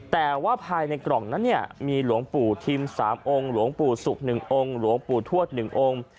แต่ว่าภายในกล่องนั้นเนี่ยมีหลวงปู่ทิมสามองค์หลวงปู่สุขหนึ่งองค์